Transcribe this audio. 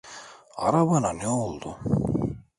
Arabana ne oldu?